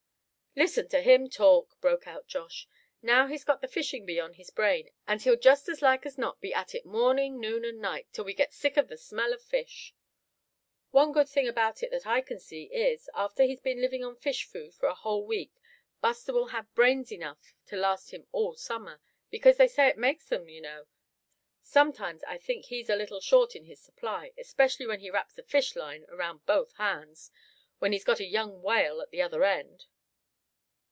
"Listen to him talk," broke out Josh. "Now he's got the fishing bee on his brain and he'll just as like as not be at it morning, noon and night, till we get sick of the smell of fish. One good thing about it that I can see is, after he's been living on fish food for a whole week Buster will have brains enough to last him all summer, because they say it makes 'em, you know. Sometimes I think he's a little short in his supply, especially when he wraps a fish line around both hands, when he's got a young whale at the other end."